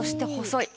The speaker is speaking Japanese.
細い。